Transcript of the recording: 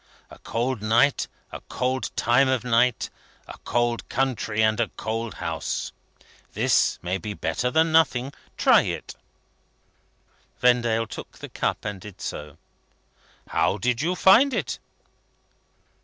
A cold night, a cold time of night, a cold country, and a cold house. This may be better than nothing; try it." Vendale took the cup, and did so. "How do you find it?"